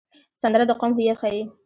سندره د قوم هویت ښيي